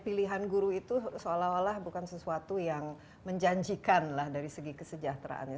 pilihan guru itu seolah olah bukan sesuatu yang menjanjikan lah dari segi kesejahteraannya